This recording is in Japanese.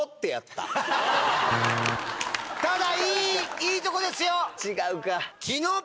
ただいいとこですよ！